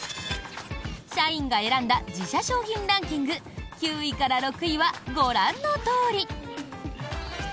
社員が選んだ自社商品ランキング９位から６位はご覧のとおり。